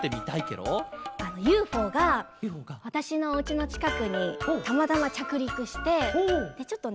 あのユーフォーがわたしのおうちのちかくにたまたまちゃくりくしてでちょっとね